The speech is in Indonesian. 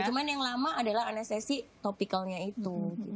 cuma yang lama adalah anestesi topikalnya itu